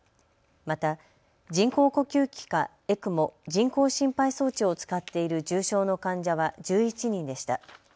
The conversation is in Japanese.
また人工呼吸器かＥＣＭＯ・人工心肺装置を使っている重症の患者は１１人でした。